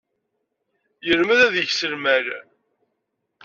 Yelmed ad yeks lmal.